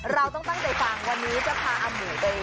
เราต้องตั้งใจฟังวันนี้จะพาอาหมูไป